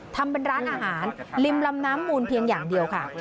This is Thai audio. ทำเป็นร้านอาหารริมลำน้ำมูลเพียงอย่างเดียวค่ะ